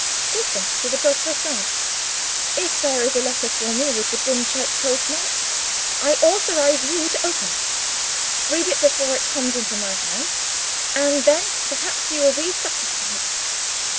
"Take them to the Poste Restante. If there is a letter for me with the Dimchurch post mark, I authorize you to open it. Read it before it comes into my hands and then perhaps you will be satisfied?"